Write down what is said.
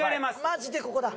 マジでここだ！